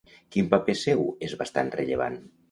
Quin paper seu és bastant rellevant?